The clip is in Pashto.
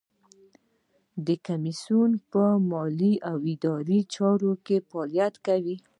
د کمیسیون په مالي او اداري چارو کې فعالیت کوي.